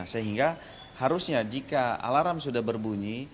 sehingga harusnya jika alarm sudah berbunyi